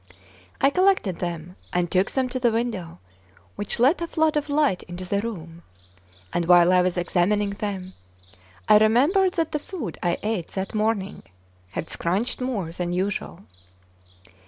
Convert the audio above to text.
I collected them, and took them to the window, which let a flood of light into the room; and while I was examining them, I remembered that the food I ate that morning had scrunched more than usual.